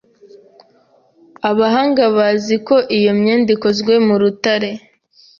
Abahanga bazi ko iyomyenda ikozwe mu rutare